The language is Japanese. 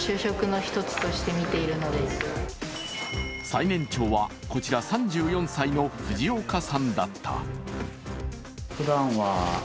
最年長はこちら、３４歳の藤岡さんだった。